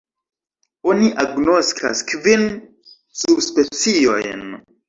Oni agnoskas kvin subspeciojn.